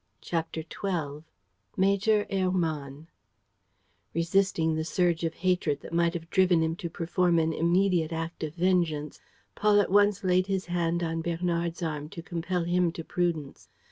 CHAPTER XII MAJOR HERMANN Resisting the surge of hatred that might have driven him to perform an immediate act of vengeance, Paul at once laid his hand on Bernard's arm to compel him to prudence.